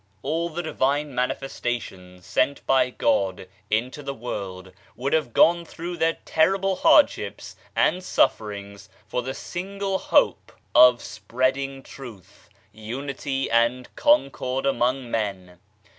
All the Divine Manifestations sent by God into the world would have gone through their terrible hardships and sufferings for the single hope of spreading Truth, Unity and Concord among men.